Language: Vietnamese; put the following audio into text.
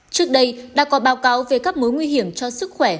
trước đây đã có báo cáo về các mối nguy hiểm cho sức khỏe